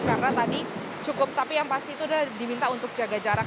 karena tadi cukup tapi yang pasti itu sudah diminta untuk jaga jarak